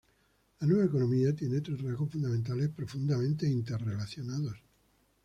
La Nueva Economía tiene tres rasgos fundamentales, profundamente interrelacionados.